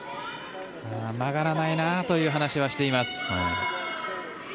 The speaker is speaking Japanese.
曲がらないなという話はしています。